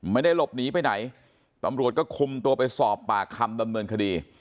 ไม่ได้หลบหนีไปไหนตำรวจก็คุมตัวไปสอบปากคำดำเนินคดี